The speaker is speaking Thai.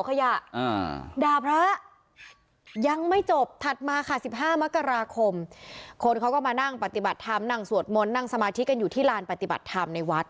เขาก็มานั่งปฏิบัติธรรมนั่งสวดมนต์นั่งสมาธิกันอยู่ที่ลานปฏิบัติธรรมในวัด